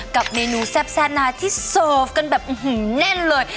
กับเมนูแซ่บแซ่บน้าที่เซิร์ฟกันแน่นเลย